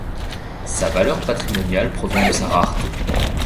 Sa valeur patrimoniale provient de sa rareté.